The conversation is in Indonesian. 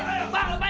lepas di ibu